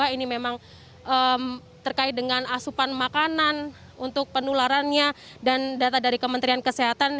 ini memang terkait dengan asupan makanan untuk penularannya dan data dari kementerian kesehatan